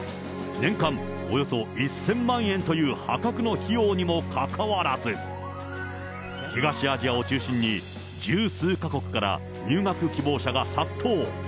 年間およそ１０００万円という破格の費用にもかかわらず、東アジアを中心に、十数か国から入学希望者が殺到。